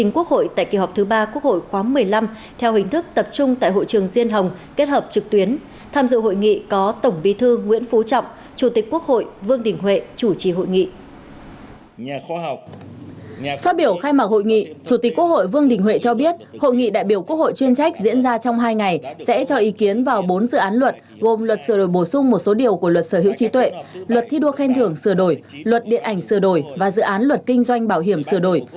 phát biểu khai mạc hội nghị chủ tịch quốc hội vương đình huệ cho biết hội nghị đại biểu quốc hội chuyên trách diễn ra trong hai ngày sẽ cho ý kiến vào bốn dự án luật gồm luật sửa đổi bổ sung một số điều của luật sở hữu trí tuệ luật thi đua khen thưởng sửa đổi luật điện ảnh sửa đổi và dự án luật kinh doanh bảo hiểm sửa đổi